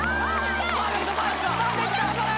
パーフェクトをとれ！